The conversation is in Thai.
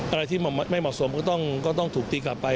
อะไรที่ไม่เหมาะสมก็ต้องถูกตีกลับไป